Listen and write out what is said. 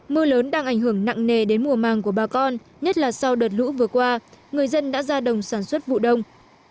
mưa lớn đang ảnh hưởng nặng nề đến mùa màng của bà con nhất là sau đợt lũ vừa qua người dân đã ra đồng sản xuất vụ đông